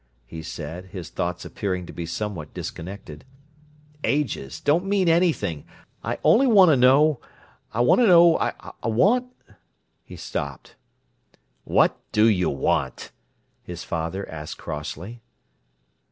he said, his thoughts appearing to be somewhat disconnected. "'Ages,' don't mean anything! I only want to know—I want to know—I want—" He stopped. "What do you want?" his father asked crossly.